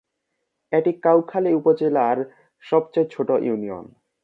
এটি কাউখালী উপজেলার সবচেয়ে ছোট ইউনিয়ন।